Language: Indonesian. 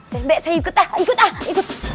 dembek saya ikut ah ikut